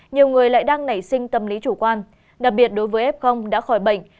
nhiều người lại đang nảy sinh tâm lý chủ quan đặc biệt đối với f đã khỏi bệnh